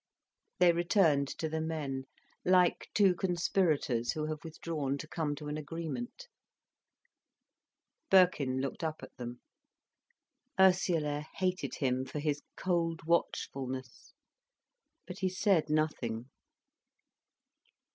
They returned to the men, like two conspirators who have withdrawn to come to an agreement. Birkin looked up at them. Ursula hated him for his cold watchfulness. But he said nothing.